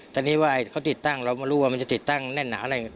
ตอนนี้ว่าเขาติดตั้งเราไม่รู้ว่ามันจะติดตั้งแน่นหนาอะไร